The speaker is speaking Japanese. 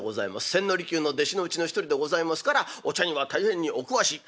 千利休の弟子のうちの一人でございますからお茶には大変にお詳しい。